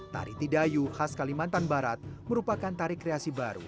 tari tidayu khas kalimantan barat merupakan tari kreasi baru